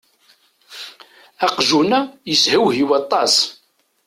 Aqjun-a yeshewhiw aṭas.